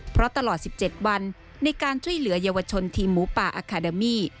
เพราะตลอด๑๗วันในการช่วยเหลือเยาวชนทีมหมูป่าอาคาเดมี่